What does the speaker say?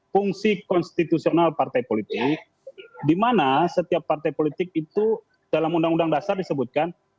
fungsi konstitusional partai politik di mana setiap partai politik itu dalam undang undang dasar disebutkan